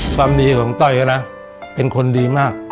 ความดีของต้อยก็นะเป็นคนดีมาก